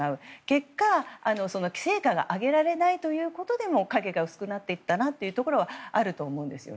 結果、成果が上げられないということでも影が薄くなっていったなというところはあると思うんです。